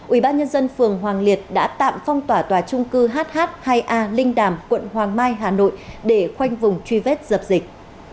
ubnd phường hoàng liệt đã tạm phong tỏa tòa trung cư hh hai a linh đàm quận hoàng mai hà nội để khoanh vùng truy vết dập dịch